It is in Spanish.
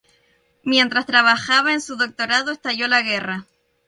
Mientras trabajaba en su doctorado, estalló la guerra.